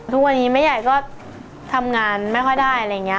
ทุกวันนี้แม่ใหญ่ก็ทำงานไม่ค่อยได้อะไรอย่างนี้